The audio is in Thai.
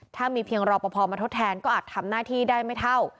ถ้ามีเพียงรอปภมาทดแทนก็อาจทำหน้าที่ได้ไม่เท่า